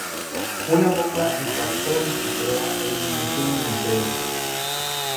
Una bomba impactó en su proa e inició un incendio.